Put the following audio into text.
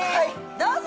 どうぞ！